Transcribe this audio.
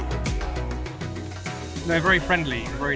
mereka sangat berkawan dan sangat baik